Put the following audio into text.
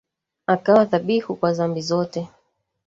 Akawa dhabihu kwa dhambi zote